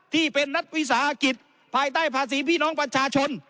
ที่เป็นนักวิสาหกิจภายใต้ภาษีพี่น้องประชาชน